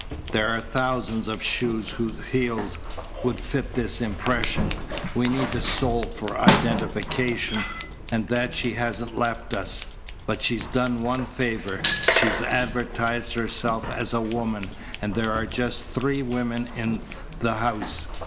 There are thousands of shoes whose heels would fit this impression. We need the sole for identification, and that she hasn't left us. But she's done one favour. She's advertised herself as a woman, and there are just three women in the house.